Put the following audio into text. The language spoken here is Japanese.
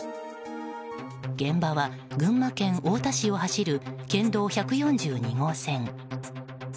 現場は、群馬県太田市を走る県道１４２号線。